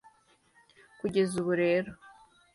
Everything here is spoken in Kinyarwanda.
Kugeza ubu rero